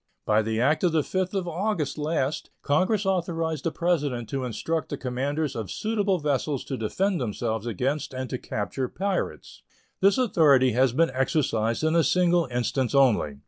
By the act of the 5th of August last Congress authorized the President to instruct the commanders of suitable vessels to defend themselves against and to capture pirates. This authority has been exercised in a single instance only.